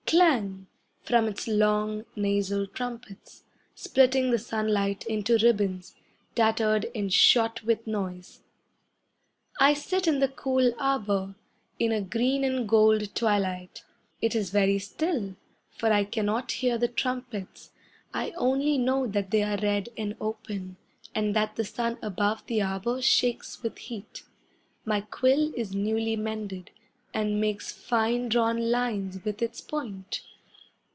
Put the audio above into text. Clang! from its long, nasal trumpets, Splitting the sunlight into ribbons, tattered and shot with noise. I sit in the cool arbour, in a green and gold twilight. It is very still, for I cannot hear the trumpets, I only know that they are red and open, And that the sun above the arbour shakes with heat. My quill is newly mended, And makes fine drawn lines with its point.